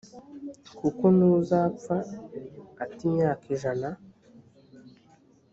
kuko n uzapfa ate imyaka ijana